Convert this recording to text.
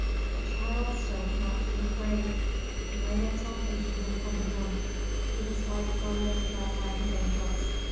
The child still did not feel afraid. A great exaltation had come to him: he was like one lifted up by his angels.